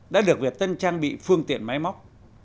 đã được việt tân trang bị phương tiện máy móc